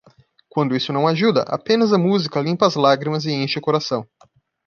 Quando isso não ajuda, apenas a música limpa as lágrimas e incha o coração.